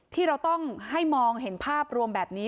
ที่เราต้องให้มองเห็นภาพรวมแบบนี้